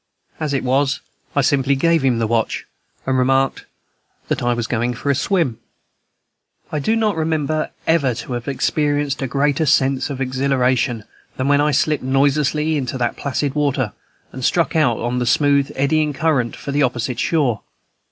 As it was, I simply gave him the watch, and remarked that I was going to take a swim. I do not remember ever to have experienced a greater sense of exhilaration than when I slipped noiselessly into the placid water, and struck out into the smooth, eddying current for the opposite shore.